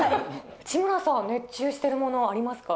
内村さん、熱中しているものありますか。